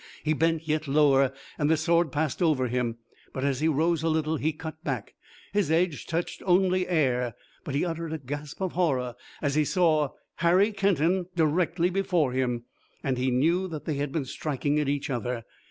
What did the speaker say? He bent yet lower, and the sword passed over him, but as he rose a little he cut back. His edge touched only the air, but he uttered a gasp of horror as he saw Harry Kenton directly before him, and knew that they had been striking at each other.